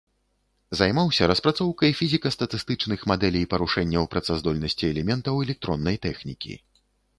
Займаўся распрацоўкай фізіка-статыстычных мадэлей парушэнняў працаздольнасці элементаў электроннай тэхнікі.